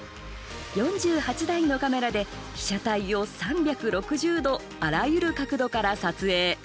４８台のカメラで被写体を３６０度あらゆる角度から撮影。